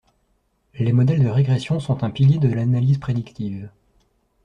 Les modèles de régression sont un pilier de l'analyse prédictive.